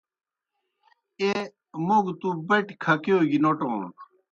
ایہہ موْ گہ تُوْ بَٹیْ کَھکِیؤ گیْ نوٹَون۔